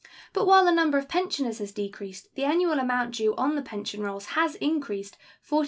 But while the number of pensioners has decreased, the annual amount due on the pension rolls has increased $44,733.